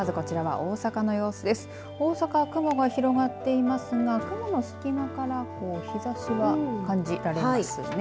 大阪は雲が広がっていますが雲の隙間から日ざしが感じられますね。